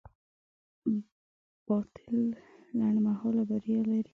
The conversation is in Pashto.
باطل لنډمهاله بریا لري.